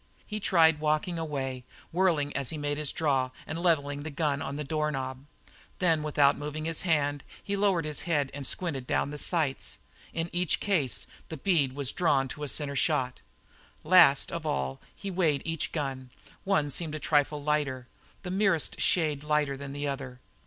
He tried walking away, whirling as he made his draw, and levelling the gun on the door knob. Then without moving his hand, he lowered his head and squinted down the sights. In each case the bead was drawn to a centre shot. Last of all he weighed each gun; one seemed a trifle lighter the merest shade lighter than the other.